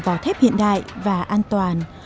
vào thép hiện đại và an toàn